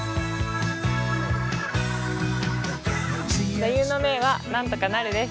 座右の銘は「なんとかなる」です。